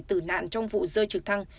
tử nạn trong vụ rơi trực thăng